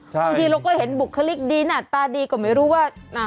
บางทีเราก็เห็นบุคลิกดีหน้าตาดีก็ไม่รู้ว่า